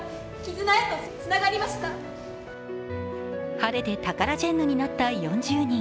晴れてタカラジェンヌになった４０人。